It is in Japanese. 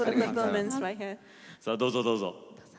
さあどうぞどうぞ。